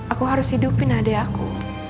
aku harus hidupin adik aku